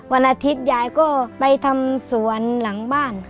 วันอาทิตยายก็ไปทำสวนหลังบ้านค่ะ